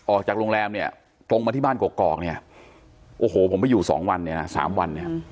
ออกจากโรงแรมเนี่ยตรงมาที่บ้านกอกเนี่ยโอ้โหผมไปอยู่สองวันเนี่ยนะ๓วันเนี่ย